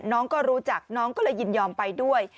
น้องก็รู้จักน้องก็เลยยินยอมไปด้วย